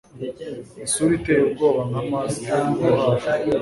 Isura iteye ubwoba nka mask ibajwe